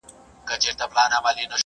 که پسرلی وي نو ګل نه مړاوی کیږي.